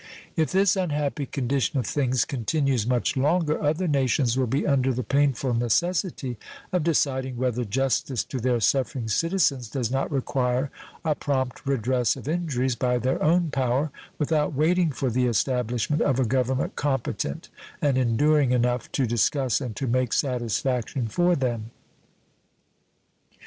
If this unhappy condition of things continues much longer, other nations will be under the painful necessity of deciding whether justice to their suffering citizens does not require a prompt redress of injuries by their own power, without waiting for the establishment of a government competent and enduring enough to discuss and to make satisfaction for them.